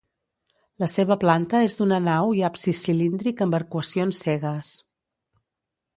La seva planta és d'una nau i absis cilíndric amb arcuacions cegues.